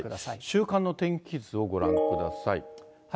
週間の天気図をご覧ください。